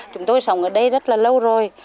chúng tôi sống ở đây rất là lâu rồi